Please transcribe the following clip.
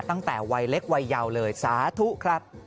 ตั้งแต่วัยเล็กวัยยาวเลยสาธุครับ